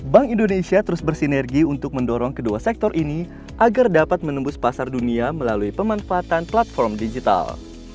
bank indonesia terus bersinergi untuk mendorong kedua sektor ini agar dapat menembus pasar dunia melalui pemanfaatan platform digital